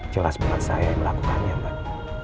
jelas buat saya yang melakukannya mbak